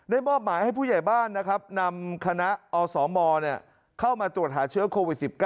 มอบหมายให้ผู้ใหญ่บ้านนะครับนำคณะอสมเข้ามาตรวจหาเชื้อโควิด๑๙